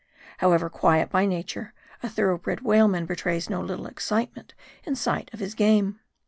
However quiet by nature, a thorough bred whaleman be trays no little excitement in sight of his game.